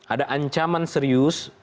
ada ancaman serius